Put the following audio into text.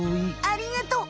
ありがとう！